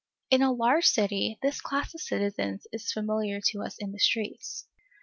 In a large city, this class of citizens is familiar to us in the streets.